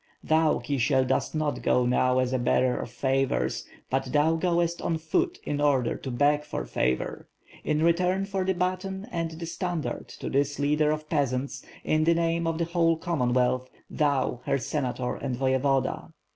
"Thou, Kisiel, dost not go now as a bearer of favors; but thou goest on foot in order to beg for favor, in return for the baton and the standard, to this leader of peasants, in the name of the whole Commonwealth • thou, her Senator and voyevoda.